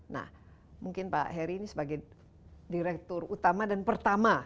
nah mungkin pak heri ini sebagai direktur utama dan pertama